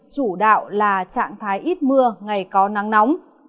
chủ đạo là trạng thái ít mưa ngày có nắng nóng